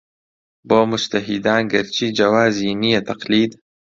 بۆ موجتەهیدان گەرچی جەوازی نییە تەقلید